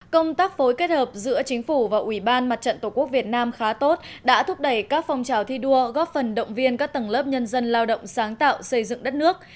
công tác phối kết hợp giữa chính phủ và ủy ban mặt trận tổ quốc việt nam khá tốt đã thúc đẩy các phong trào thi đua góp phần động viên các tầng lớp nhân dân lao động sáng tạo xây dựng đất nước